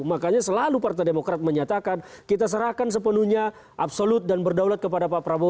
makanya selalu partai demokrat menyatakan kita serahkan sepenuhnya absolut dan berdaulat kepada pak prabowo